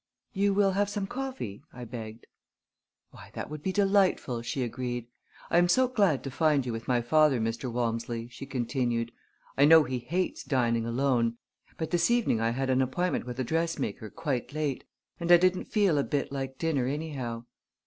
"You will have some coffee?" I begged. "Why, that would be delightful," she agreed. "I am so glad to find you with my father, Mr. Walmsley," she continued. "I know he hates dining alone; but this evening I had an appointment with a dressmaker quite late and I didn't feel a bit like dinner anyhow."